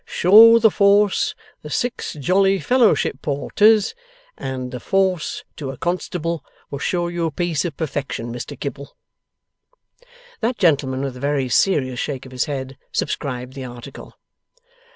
Show the Force the Six Jolly Fellowship Porters, and the Force to a constable will show you a piece of perfection, Mr Kibble.' That gentleman, with a very serious shake of his head, subscribed the article.